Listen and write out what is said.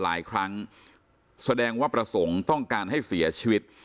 หลายครั้งแสดงว่าประสงค์ต้องการให้เสียชีวิต